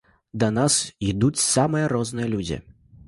Да нас ідуць самыя розныя людзі.